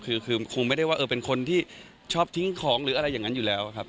คือคือคงไม่ได้ว่าเออเป็นคนที่ชอบทิ้งของหรืออะไรอย่างนั้นอยู่แล้วครับ